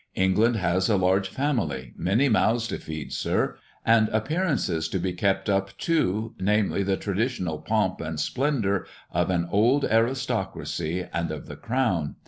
England has a large family, many mouths to feed, sir, and appearances to be kept up, too, namely, the traditional pomp and splendour of an old aristocracy and of the crown.